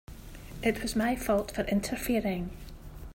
It was my fault for interfering.